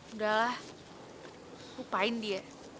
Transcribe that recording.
udahlah lupain dia